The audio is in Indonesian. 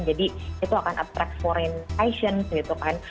jadi itu akan attract foreign patients gitu kan